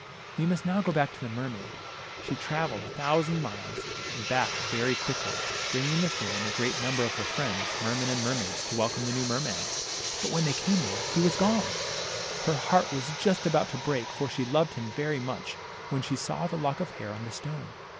We must now go back to the mermaid. She travelled the thousand miles and back again very quickly, bringing the fin and a great number of 16 THE MERMAID her friends, mermen and mermaids, to welcome the new merman. But when they came there, he was gone ! Her heart was just about to break, for she loved him very much, when she saw the lock of hair on the stone.